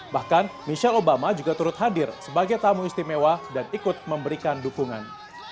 bahkan michelle obama juga turut hadir sebagai tamu istimewa dan ikut memberikan dukungan